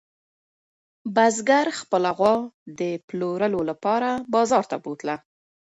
بزګر خپله غوا د پلورلو لپاره بازار ته بوتله.